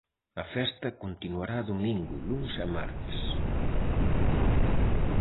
A festa continuará domingo, luns e martes.